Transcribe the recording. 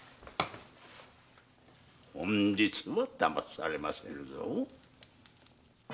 本日はだまされませぬぞ。